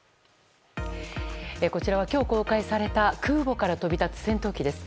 こちらは今日公開された空母から飛び立つ戦闘機です。